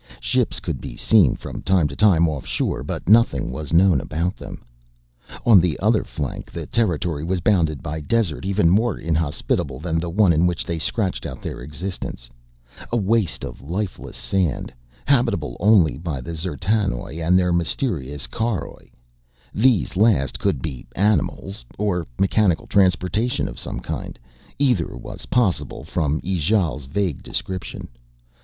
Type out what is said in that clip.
Ships could be seen from time to time offshore but nothing was known about them. On the other flank the territory was bounded by desert even more inhospitable than the one in which they scratched out their existence, a waste of lifeless sand, habitable only by the D'zertanoj and their mysterious caroj. These last could be animals or mechanical transportation of some kind, either was possible from Ijale's vague description.